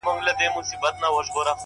• افسر وویل تا وژنم دلته ځکه ,